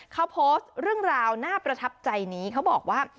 เขาโพสต์เรื่องราวน่าประทับใจนี้เขาบอกว่า